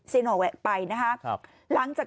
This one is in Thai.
เซโนเวคไปนะครับ